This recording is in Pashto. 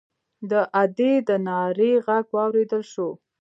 د ادي د ناره غږ واورېدل شو.